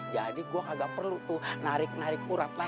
jadi gua kagak perlu tuh narik narik urat lahir